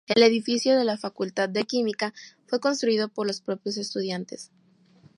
El edificio de la Facultad de Química fue construido por los propios estudiantes.